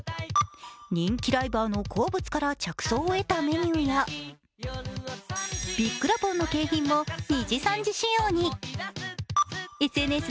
人気ライバーの好物から着想を得たメニューやビッくらポン！の景品もにじさんじ仕様に。